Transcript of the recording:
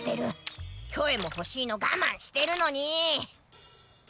キョエもほしいのがまんしてるのにー！